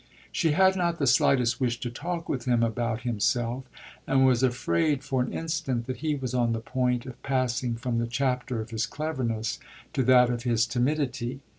She had not the slightest wish to talk with him about himself, and was afraid for an instant that he was on the point of passing from the chapter of his cleverness to that of his timidity.